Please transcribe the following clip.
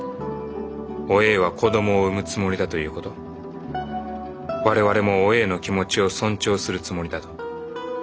おえいは子どもを産むつもりだという事我々もおえいの気持ちを尊重するつもりだと。